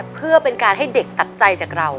เพื่อเป็นการให้เด็กตัดใจจากเรา